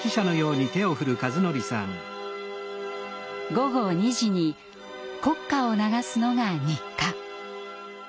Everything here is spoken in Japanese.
午後２時に国歌を流すのが日課。